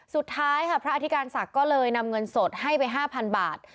สุดท้ายค่ะพระอธิการศักดิ์ก็เลยนำเงินสดให้ไป๕๐๐บาท